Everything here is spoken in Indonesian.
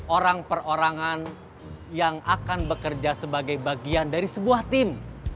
orang perorangan yang akan bekerja sebagai bagian dari sebuah tim